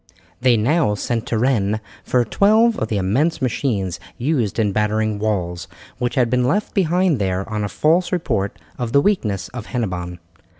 They now sent to Rennes for twelve of the immense machines used in battering walls, which had been left behind there on a false report of the weakness of Hennebon.